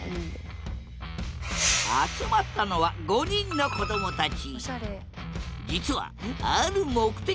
集まったのは５人のこどもたち。